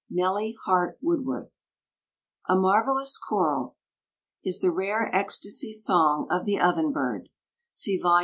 NELLY HART WOODWORTH. A marvelous choral is the rare ecstasy song of the ovenbird (see Vol.